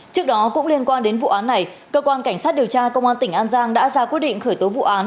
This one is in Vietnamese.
trước đó cũng liên quan đến vụ án này cơ quan cảnh sát điều tra công an tỉnh an giang đã ra quyết định khởi tố vụ án